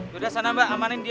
udah sana mbak amanin dia